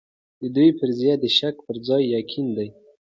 د دوی فرضيې د شک پر ځای يقين دي.